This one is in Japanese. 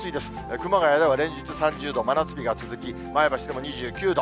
熊谷では連日３０度、真夏日が続き、前橋でも２９度。